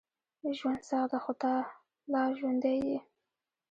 ژوند سخت ده، خو ته لا ژوندی یې.